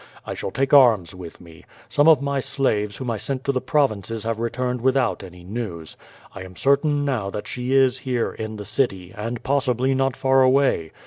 I shall take arms with me. Some of my slaves whom I sent to the provinces have returned without any news. I am certain now that she is here in the citv, and possibly not far away.